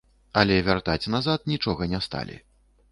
Але вяртаць назад нічога не сталі.